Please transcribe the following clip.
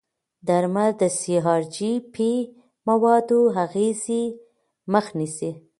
درمل د سی ار جي پي موادو اغېزې مخه نیسي.